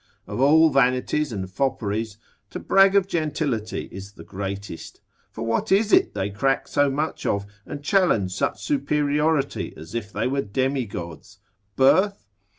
Of all vanities and fopperies, to brag of gentility is the greatest; for what is it they crack so much of, and challenge such superiority, as if they were demigods? Birth?